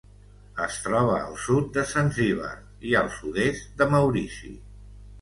Es troba al sud de Zanzíbar i el sud-est de Maurici.